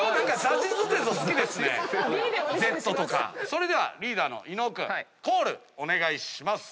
それではリーダーの伊野尾君コールお願いします。